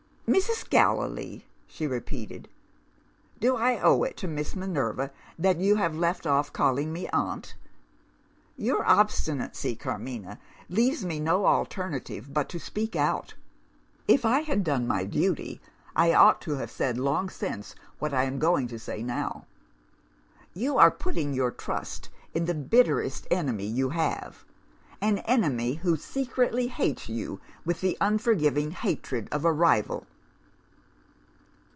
"'Mrs. Gallilee?' she repeated. 'Do I owe it to Miss Minerva that you have left off calling me Aunt? Your obstinacy, Carmina, leaves me no alternative but to speak out. If I had done my duty, I ought to have said long since, what I am going to say now. You are putting your trust in the bitterest enemy you have; an enemy who secretly hates you with the unforgiving hatred of a rival!